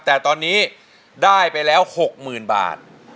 แต่ตอนนี้ได้ไปแล้ว๖๐๐๐บาท